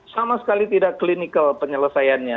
sama sekali tidak clinical penyelesaiannya